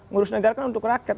ngurus negara kan untuk rakyat